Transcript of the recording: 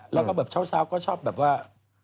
แล้วก็แบบเช้าก็ชอบแบบว่า